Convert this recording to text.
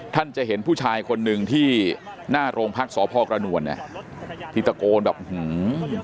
ท่านจะเห็นผู้ชายคนหนึ่งที่หน้าโรงพักษณ์สภอกรรณวงค์ที่ตะโกนแบบแบบหืม